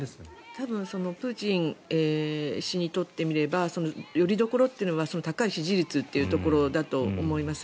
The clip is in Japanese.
多分、プーチン氏にとってみれば、よりどころは高い支持率というところだと思います。